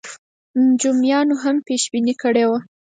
نجومیانو هم پېش بیني کړې وه.